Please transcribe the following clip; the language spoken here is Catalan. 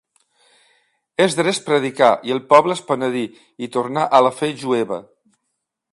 Esdres predicà i el poble es penedí i tornà a la fe jueva.